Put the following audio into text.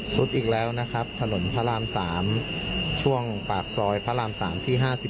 สุดอีกแล้วนะครับถนนพระราม๓ช่วงปากซอยพระราม๓ที่๕๔